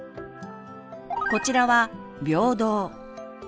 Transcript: こちらは「平等」